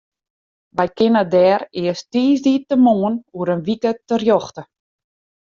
Wy kinne dêr earst tiisdeitemoarn oer in wike terjochte.